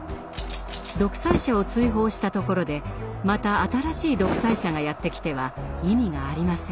独裁者を追放したところでまた新しい独裁者がやって来ては意味がありません。